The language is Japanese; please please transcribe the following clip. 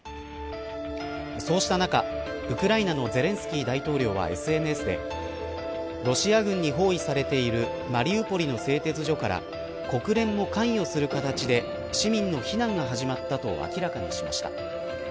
そうした中、ウクライナのゼレンスキー大統領はＳＮＳでロシア軍に包囲されているマリウポリの製鉄所から国連も関与する形で市民の避難が始まったと明らかにしました。